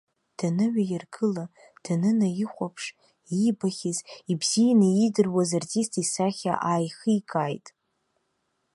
Даныҩаиргыла, данынаихәаԥш, иибахьаз, ибзианы иидыруаз артист исахьа ааихикааит.